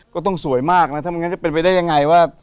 ก็ต้องสวยมากนะถ้าไม่งั้นจะเป็นไปได้ยังไงว่า